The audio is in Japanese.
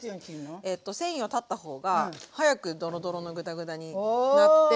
えっと繊維を断った方が早くドロドロのグダグダになって。